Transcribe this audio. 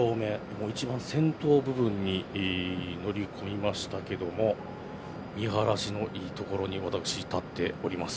もう一番先頭部分に乗り込みましたけども見晴らしのいい所に私立っております。